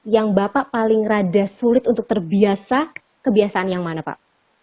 yang bapak paling rada sulit untuk terbiasa kebiasaan yang mana pak